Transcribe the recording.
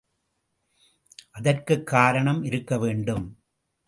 அதற்குக் காரணமும் இருக்க வேண்டும்.